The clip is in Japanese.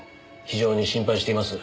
非常に心配しています。